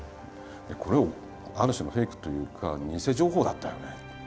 「これある種のフェイクというか偽情報だったよね。